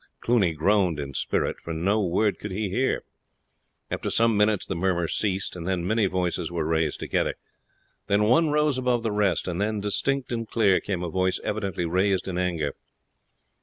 Cluny groaned in spirit, for no word could he hear. After some minutes the murmur ceased, and then many voices were raised together; then one rose above the rest, and then, distinct and clear, came a voice evidently raised in anger.